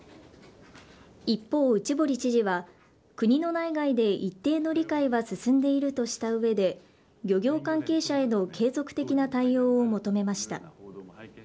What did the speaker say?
一方、内堀知事は、国の内外で一定の理解は進んでいるとしたうえで、漁業関係者への継続的な対応を求めました。